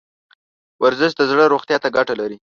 ورزش د زړه روغتیا ته ګټه لري.